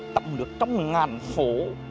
tập lược trong ngàn phố